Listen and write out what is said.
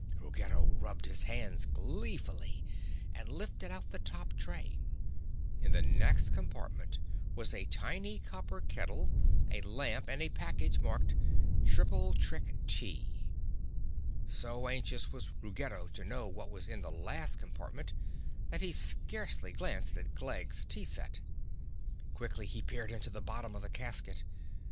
Ruggedo rubbed his hands gleefully and lifted out the top tray. In the next compartment was a tiny copper kettle, a lamp and a package marked "Triple Trick Tea." So anxious was Ruggedo to know what was in the last compartment that he scarcely glanced at Glegg's tea set. Quickly he peered into the bottom of the casket.